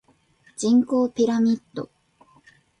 人口ピラミッド